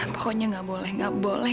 pokoknya gak boleh gak boleh